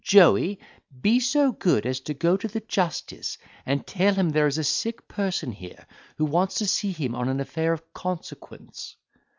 Joey, be so good as to go to the justice, and tell him there is a sick person here, who wants to see him on an affair of consequence."